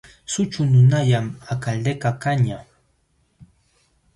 Sućhu nunallam Alcaldekaq kañaq.